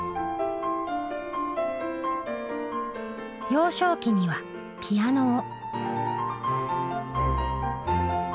幼少期にはピアノを。